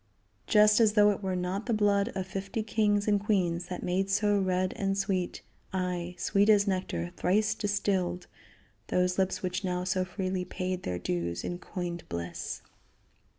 Just as though it were not the blood of fifty kings and queens that made so red and sweet, aye, sweet as nectar thrice distilled, those lips which now so freely paid their dues in coined bliss.